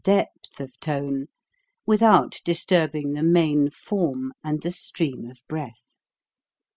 CONSONANTS 293 depth of tone, without disturbing the main form and the stream of breath.